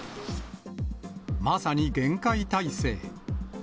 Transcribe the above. まさに厳戒態勢。